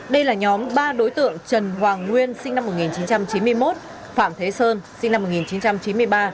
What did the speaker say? đây là nhóm ba đối tượng trần hoàng nguyên sinh năm một nghìn chín trăm chín mươi một phạm thế sơn sinh năm một nghìn chín trăm chín mươi ba